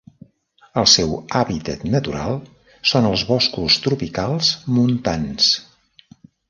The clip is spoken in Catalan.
El seu hàbitat natural són els boscos tropicals montans.